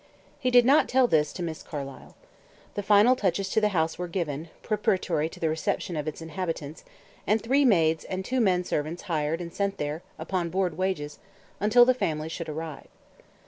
He did not tell this to Miss Carlyle. The final touches to the house were given, preparatory to the reception of its inhabitants, and three maids and two men servants hired and sent there, upon board wages, until the family should arrive.